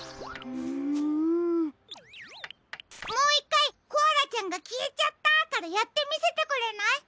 うんもういっかい「コアラちゃんがきえちゃった」からやってみせてくれない？